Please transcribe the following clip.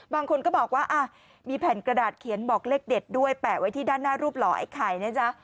บางคนก็บอกว่ามีแผ่นกระดาษเขียนบอกเลขเด็ดด้วยแปะไว้ที่ด้านหน้ารูปหล่อไอ้ไข่นะจ๊ะ